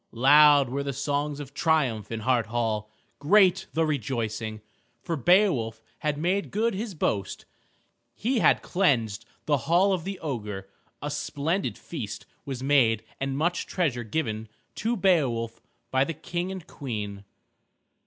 Loud were the songs of triumph in Hart Hall, great the rejoicing, for Beowulf had made good his boast. He had cleansed the hall of the ogre. A splendid feast was made and much treasure given to Beowulf by the King and Queen.